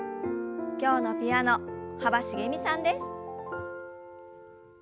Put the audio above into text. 今日のピアノ幅しげみさんです。